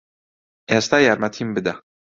ئێستا یارمەتیم بدە.